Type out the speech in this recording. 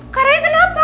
kak raya kenapa